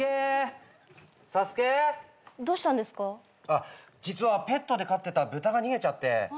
あっ実はペットで飼ってた豚が逃げちゃって。